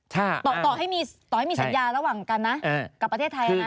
ต่อให้มีต่อให้มีสัญญาระหว่างกันนะกับประเทศไทยนะ